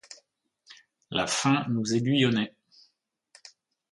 La faim nous aiguillonnait.